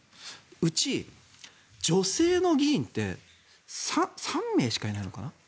うち女性の議員って３名しかいないのかな。